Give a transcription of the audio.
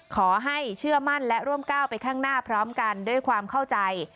ขอให้เชื่อมั่นและร่วมก้าวไปข้างหน้าพร้อมกันด้วยความเข้าใจ